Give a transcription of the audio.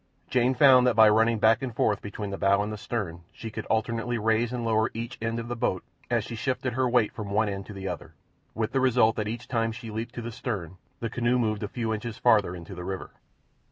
Jane found that by running back and forth between the bow and stern she could alternately raise and lower each end of the boat as she shifted her weight from one end to the other, with the result that each time she leaped to the stern the canoe moved a few inches farther into the river.